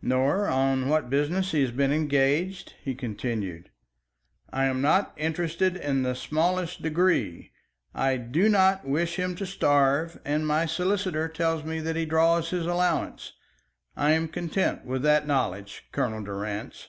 "Nor on what business he has been engaged?" he continued. "I am not interested in the smallest degree. I do not wish him to starve, and my solicitor tells me that he draws his allowance. I am content with that knowledge, Colonel Durrance."